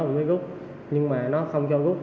một cái gúc nhưng mà nó không cho gúc